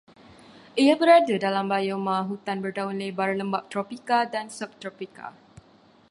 Ia berada dalam bioma hutan berdaun lebar lembap tropika dan subtropika